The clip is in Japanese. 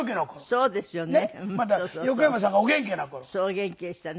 そうですよね。